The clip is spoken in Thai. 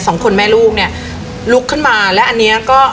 สองคนแม่ลูกเนี้ยลุกขึ้นมาและอันเนี้ยก็